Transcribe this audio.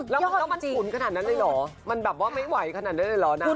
แล้วมันต้องฉุนขนาดนั้นเลยเหรอมันแบบว่าไม่ไหวขนาดนั้นเลยเหรอนะ